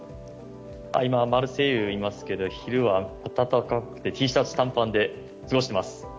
今、マルセイユにいますけど昼は暖かくて、Ｔシャツ短パンで過ごしています。